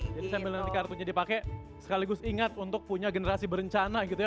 jadi sambil nanti kartunya dipakai sekaligus ingat untuk punya generasi berencana gitu ya